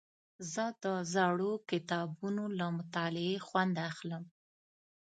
زه د زړو کتابونو له مطالعې خوند اخلم.